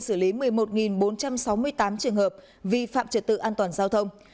xử lý một mươi một bốn trăm sáu mươi tám trường hợp vi phạm trật tự an toàn giao thông